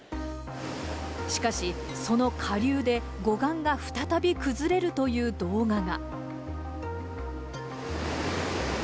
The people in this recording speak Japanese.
しかし、その下流で護岸が再び崩れるという動画が。